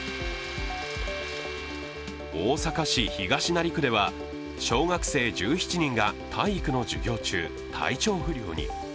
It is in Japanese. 大阪市東成区では、小学生１７人が体育の授業中体調不良に。